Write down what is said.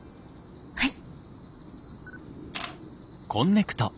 はい。